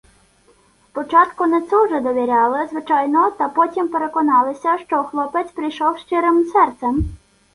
Спочатку не цуже довіряли, звичайно, та потім переконалися, що хлопець прийшов зі щирим серцем.